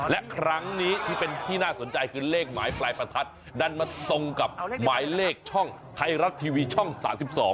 และครั้งนี้ที่เป็นที่น่าสนใจคือเลขหมายปลายประทัดดันมาตรงกับหมายเลขช่องไทยรัฐทีวีช่อง๓๒